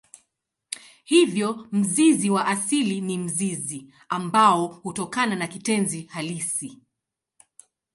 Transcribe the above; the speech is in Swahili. Hivyo mzizi wa asili ni mzizi ambao hutokana na kitenzi halisi.